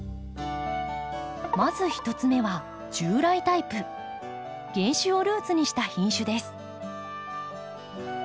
まず１つ目は原種をルーツにした品種です。